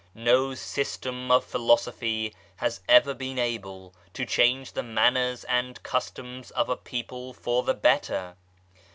No system of Philosophy has ever been able to change the manners and customs of a people for the better.